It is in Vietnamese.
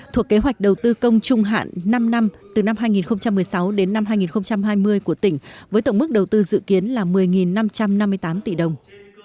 thuộc kế hoạch đầu tư công trung hạn năm năm từ năm hai nghìn một mươi sáu đến năm hai nghìn hai mươi của tỉnh với tổng mức đầu tư dự kiến là một mươi năm trăm năm mươi tám tỷ đồng